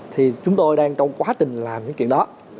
thì chúng tôi đang trong quá trình làm những chuyện đó